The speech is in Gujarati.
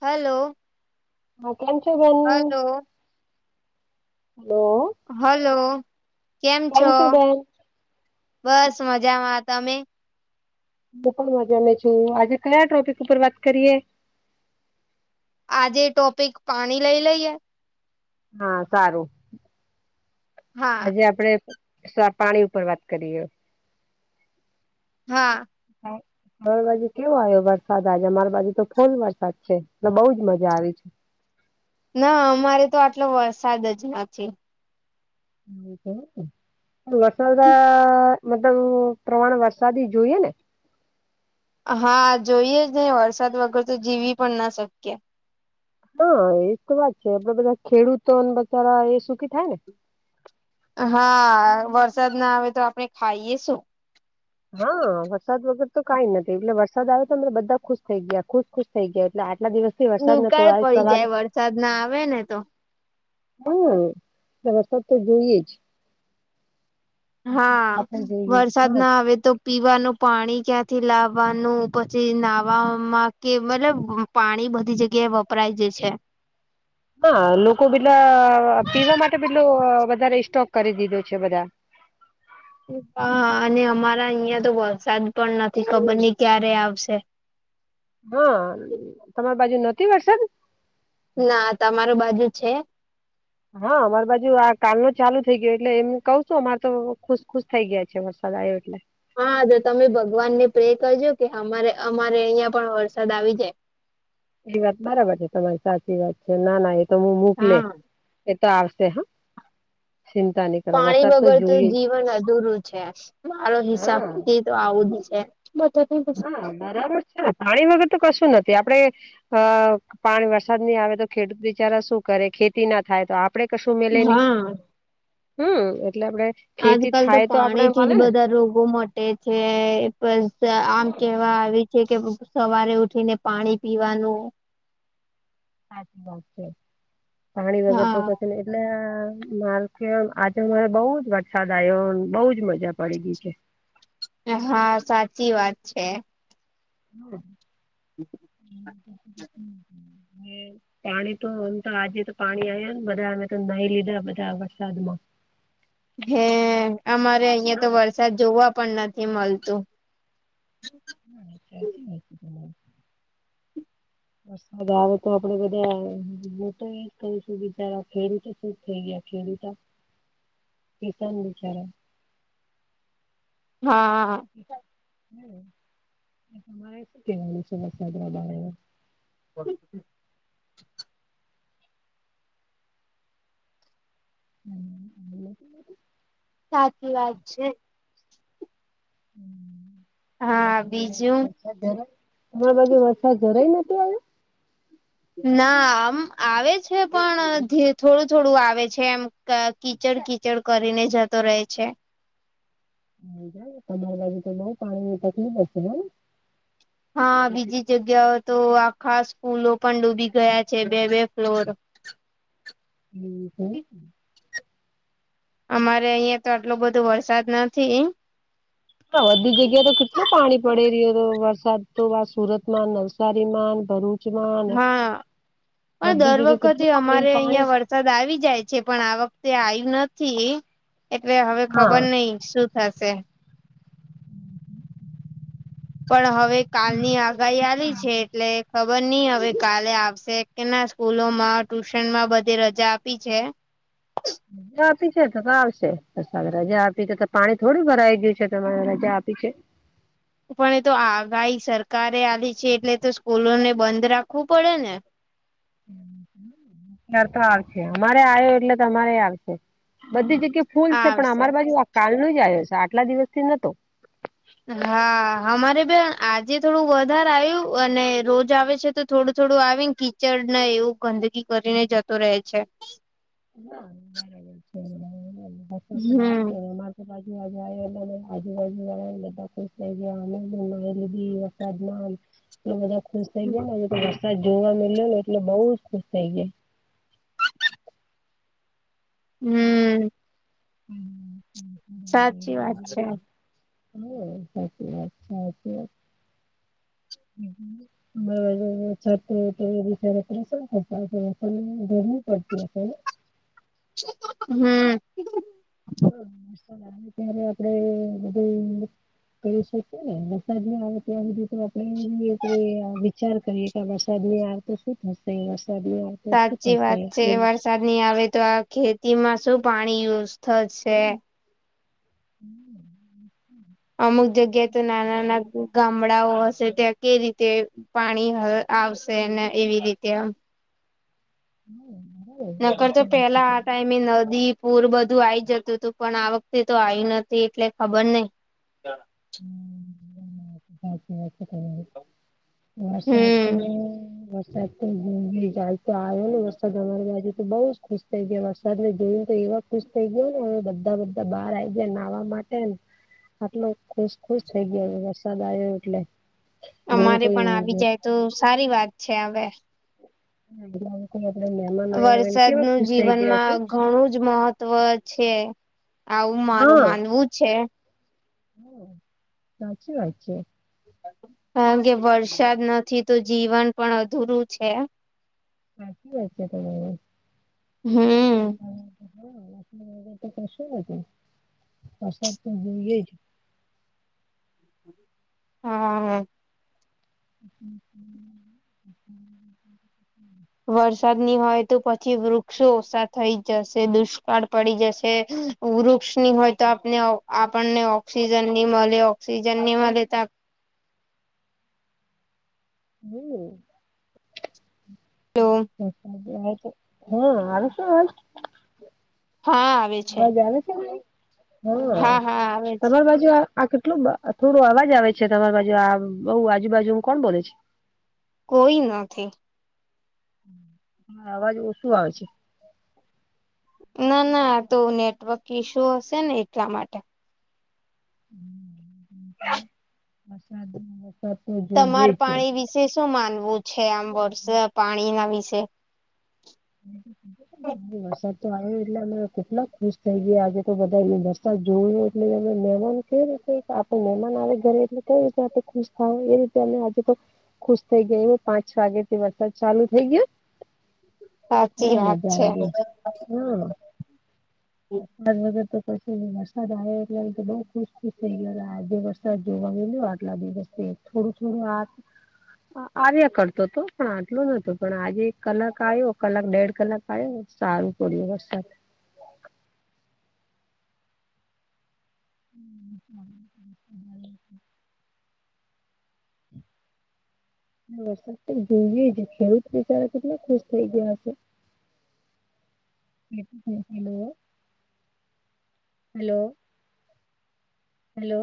હલો હચ હલો હલો હલો કેમ છો? બસ મજામાં તમે- હું પણ મજાને છું. આજે કયા ટોપિક ઉપર વાત કરીએ? આજે ટોપિક પાણી લઈ લઈએ- હા સારું હા આજે આપડે- સર પાણી ઉપર વાત કરીએ- હા હા- મારા બાજુ કેવો આવ્યો વરસાદ આજે અમારી બાજુ તો ફૂલ વરસાદ છે. બઉુજ મજા આવી છે. ના અમારે તો આટલો વરસાદ જ નથી- [inaudible] વરસાદ મતલબ પ્રમાણ વરસાદી જોઈએ ને- હા જોઈએ જ નને વરસાદ વગર તો જીવી પણ ના શક્ય. હા એજ તો વાત છે આપડે બધા ખેડૂતો અને બચારા એ સુખી થાય ને- હા વરસાદ ના આવે તો આપણે ખાઈએ શું. હા વરસાદ વગર તો કઈ નથી એટલે વરસાદ આવે્યો તો અરે બધા ખુશ થઈ ગયા ખુશ ખુશ થઈ ગયા એટલે આટલા દિવસ- થી વરસાદ નતો દુકાળ આજ પડી સવારે જાય વરસાદ ના આવે ને તો- હા વરસાદ તો જોઈએ જ- હા આપણે જોઈએ જ. વરસાદ હા ના આવે તો- પીવાનું પાણી ક્યાંથી લાવવાનું પછી નાહવામાં કે મતલબ- પાણી બધી જગ્યાએ વપરાય જ છે. હા લોકો બીલા પીવા માટે બીલું વધારે સોક કરી દીધું છે. બધા- હા અને અમારા અહિયાં તો વરસાદ પણ નથી ખબર નઈ ક્યારે આવશે- હા તમારી બાજુ ન વરસાદ - ના તમાર બાજુ છે. હા અમારી બાજુ આ કાલ ન ચાલુ થઈ ગયો એટલે એમ કઉ છું અમાર તો ખુશ ખુશ થઈ ગયા છે વરસાદ આવ્યો એટલે- હા તો તમે ભગવાન ને પ્રે કરજો કે અમારે અમારે અહિયાં પણ વરસાદ આવી જાય- એ વાત બરાબર છે તમારી સાચી વાત છે. ના ના એ તો હું મોકલે હા એ તો આવશે હા- ચિંતા નથી. પાણી વગર તો જીવન અધૂરું છે મારો હા હિસાબ- તો આવું જી છે બધો પછી- - બરાબર છે. પાણી વગર તો કશું નથી આપડે - અ પાણી વરસાદ નહી આવે તો ખેડૂત બિચારા શું કરે ખેતી ના થાય તો આપડે- કશું મેલે નહી હા હમ એટલે આપડે- ખેતી આજકાલ તો થાય આપડે પાણી થી જ મળે ને બધા રોગો માટે- છે આમ કેવા આવ છે કે સવારે ઉઠીને પાણી પીવાનું- સાચી વાત છે પાણી વગર તો હા કછને- એટ માલક આજે મારે બઉુ જ વરસાદ આવ્યો બહુજ મજા- પડી ગઈ છે હા સાચી વાત છે. હ હ [unintelligible] પાણી તો એમ તો આજે તો પાણી આવ્યા ને બધા અમે તો નહી લીધા બધા વરસાદ માં- હે અમારે અહિયાં તો હા વર્ષ- જોવા પણ નથી મળતું- હા નથી- વરસાદ આવે તો આપડે બધા [unintelligible] મોટ એ કશું બીચરા ખેડતો શુંજ થઈ ગયા ખેડૂત- કેસન બિચારા [unintelligible] હા તમારે શું કેવા છે. વસાદરા બ [inaudible] [unintelligible] સાચી વાત છે. હા બીજું વરસા તમાર બાજુ વરસાદ જરાય નતો આવ્યો ના આમ આવે છે પણ થોડું થોડું આવે છે એમ. અ કીચડ કીચડ કરીને જતો રહે છે. હ તમાર બાજુ પાણી ની બઉ તકલીફ હશે નહી. હા બીજી જગ્યાઓ તો આખા સ્કૂલો પણ ડૂબી ગયા છે બે બે ફ્લોર એવુ છે અમારે અહિયા તો આટલો બધો વરસાદ નથી. હા બધી જગ્યા તો કેટલું પાણી પડી રહ્યો હતો વરસાદ તો સુરતમાં નવસારીમાં ભરૂચ માં પણ બધી દર જગ્યાએ વખતે કેટલું પાણી અમારે પાણી અહિયાં વરસાદ આવી જાય છે પણ આ વખતે આવ્યું નથી એટલે હવે હા ખબર નહિ શું થશે. પણ હવે કાલની આગાહી આવી છે. એટલે ખબર નહિ હવે કાલે આવશે કે ના સ્કૂલોમાં ટ્યુશનમાં બધે રજા આપી છે. રજા આપી છે તો તો આવશે રજા આપી તો પાણી થોડું ભરાઈ ગયું છે તમારે રજા આપી છે. પણ એ તો આગાહી સરકારે આવી છે એટલે તો સ્કૂલોને બંધ રાખવું પડે ને. [inaudible] તાર તો આવશે અમારે આયો એટલે તમારે આવશે બધી જગ્યા ફૂલ છે પણ આવશે અમારી બાજુ આ કાલ નો જ આવ્યો છે આટલા દિવસ થી નતો હા અમારે બેન આજે થોડું વધારે આવ્યું અને રોજ આવે છે તો થોડું થોડું આવીન કીચડ ને એવું ગંદકી કરીને જતો રહે છે. [unintelligible] આવે છે હમ અમાર [unintelligible] આજુબાજુ વાળા હેને ખુશ થઈ ગયા હોય [unintelligible] બાદમાં અંત એ બધા ખુશ થઈ ગયા તો વરસાદ જોવા મળ્યોને એટલે બઉ જ ખુશ થઈ ગયા. હમ્મ. [unintelligible] સાચી વાત છે. હમ્મ સાચી વાત સાચી વાત [unintelligible] [unintelligible] પરેશાન થતા ગરમી પડતી હશે નઈ હમ્મ. ત્યારે આપડે બધું [unintelligible] વરસાદ નહી આવે ત્યાં સુધી તો આપડે વિચાર કરીએ. વરસાદ નહી આવતો શું થશે વરસાદ નહી આવ સાચી વાત છે વ વરસાદ ની આવે તો આ ખેતી માં શું પાણી યુઝ થશે. [inaudible] અમુક જગ્યાએ તો નાના નાના ગામડા ડાઓ હશે ત્યાં કે રીતે પાણી આવશે ને એવી રીતે હમ્મ. નકર તો પેલા આ ટાઈમે નદી પૂર બધું આઈ જતું હતું પણ આ વખતે તો આયુ નથી એટલે ખબર નહિ. હમ, [unintelligible] વરસાદ તો હમ વરસા વરસાદ પણ જાય તો આવે ને વરસાદ અમાર બાજુ તો બઉ જ ખુશ થઈ ગયા વરસાદ ને જોયું તો એ વખત ખુશ થઇ ગયા ને બધા બધા બહાર આવી ગયા નાહવા માટે આટલો ખુશ ખુશ થઈ ગયો વરસાદ આવ્યો એટલે જેમ અમારે કોઈ પણ આવી જેમ જાય તો સારી વાત છે હવે એ લોકો આપણે મહેમાન આવેને કેવા વરસાદનું ખુશ થઈ ગયા છે. જીવનમાં ઘણું જ મહત્વ છે આવું મારું માનવું છે હ સાચી વા છે કારણ કે વરસાદ નથી તો જીવન પણ અધૂરું છે હાચી જ છે ત હા હમ વર તો કશું વરસાદ તો જોઈએ જ હા હા [inaudible] વરસાદ ની હોય તો પછી વૃક્ષો ઓછા થઈ જશે દુષ્કાળ પડી જશે વૃક્ષની હોય તો આપને આપણને ઓક્સિજન ની મળે ઓક્સિજન ની મળે તો હમ હા હા હમ આશ હા આવે છે અજ આવે છે હા તમારી બાજુ આ કેટલું થોડું અવાજ આવે છે તમારી બાજુ આ બઉુ આજુબાજુ હું કોણ બોલે છે કોઈ નથી અવાજ ઓછું આવે છે ના ના તો નેટવર્ક ઈસ્યુ હશે ને એટલા માટે હમ બ શાદી તમાર પાણી વિશે શું માનવું છે આમ વર્ષ પાણીના વિશે [unintelligible] વરસાદ તો આવ્યો એટલે અમે કેટલા ખુશ થઈ ગયા આજે તો બધા એ વરસાદ જોયું એટલે અમે મેવાનું એ રીતે આપડે મહેમાન આવે ઘરે એટલે કઈ રીતે આપણે ખુશ થ હોય એ રીતે અ આજે તો ખુશ થઈ ગઈ પાંચ વાગે થી વરસાદ ચાલુ થઈ ગયો હમ સાચી વાત મજા છે આ ગ હા વરસાદ વગર તો પ વરસાદ આવ્યો એટલે તો બઉુ ખુશુશ થ ગયો આજે વરસાદ જોવા મળઈ આટલા દિવસથી થોડું થોડું હા આવ્યા કરતો હતો પણ આટલું નતું પણ આજે એક કલાક આવ્યો કલાક દેડ કલાક ખ સારું પડ બરસાા હ વરસાદ તો જી ખેડૂત વિચાર તોને ખુશ થઈ ગયા હશે હલો હલો હલો